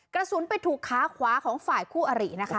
กระสุนไปถูกขาขวาของฝ่ายคู่อรินะคะ